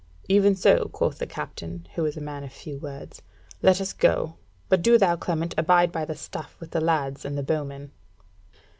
"Even so," quoth the captain, who was a man of few words, "let us go. But do thou, Clement, abide by the stuff with the lads and bowmen."